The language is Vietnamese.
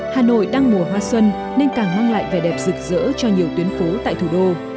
hà nội đang mùa hoa xuân nên càng mang lại vẻ đẹp rực rỡ cho nhiều tuyến phố tại thủ đô